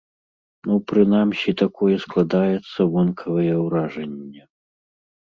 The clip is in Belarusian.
Ну, прынамсі такое складаецца вонкавае ўражанне.